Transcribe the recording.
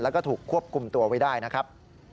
แล้วก็ถูกควบคุมตัวไว้ได้นะครับ